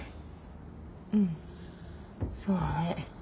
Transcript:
うんそうね。